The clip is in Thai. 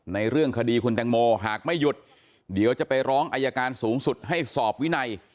ในเรื่องคดีคุณแตงโมหากไม่หยุดเดี๋ยวจะไปร้องอายการสูงสุดให้สอบวินัย